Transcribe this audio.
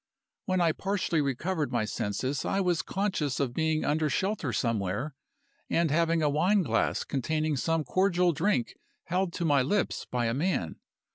"When I partially recovered my senses I was conscious of being under shelter somewhere, and of having a wine glass containing some cordial drink held to my lips by a man.